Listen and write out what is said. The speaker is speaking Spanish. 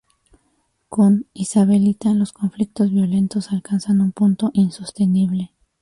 Con "Isabelita" los conflictos violentos alcanzan un punto insostenible.